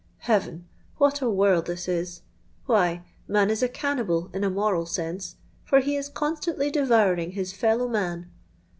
Heaven! what a world this is! Why, man is a cannibal in a moral sense, for he is constantly devouring his fellow man!